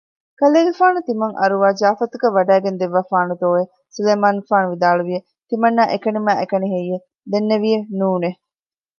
ކަލޭގެފާނު ތިމަން އަރުވާ ޖާފަތަކަށް ވަޑައިގެންދެއްވާފާނޫތޯއެވެ؟ ސުލައިމާނުގެފާނު ވިދާޅުވިއެވެ ތިމަންނާ އެކަނިމާއެކަނިހެއްޔެވެ؟ ދެންނެވިއެވެ ނޫނެއް